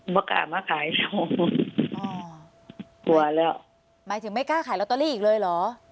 มากล้ามาขายโชว์อ๋อกลัวแล้วหมายถึงไม่กล้าขายลอตเตอรี่อีกเลยเหรอ